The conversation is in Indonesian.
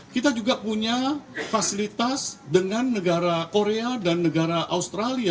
kita juga punya fasilitas dengan negara korea dan negara australia